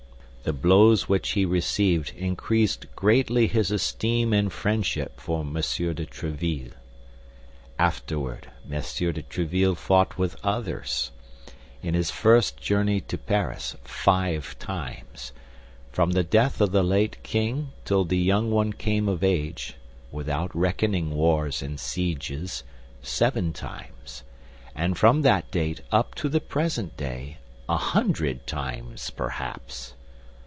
The blows which he received increased greatly his esteem and friendship for Monsieur de Tréville. Afterward, Monsieur de Tréville fought with others: in his first journey to Paris, five times; from the death of the late king till the young one came of age, without reckoning wars and sieges, seven times; and from that date up to the present day, a hundred times, perhaps!